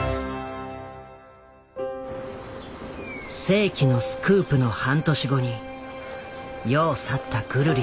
世紀のスクープの半年後に世を去ったグルリット。